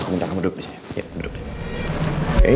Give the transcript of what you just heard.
aku minta kamu duduk disini yuk duduk deh